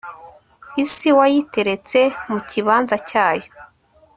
isi wayiteretse mu kibanza cyayo